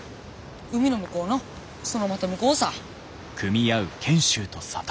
海の向こうのそのまた向こうさ。